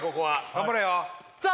頑張れよさあ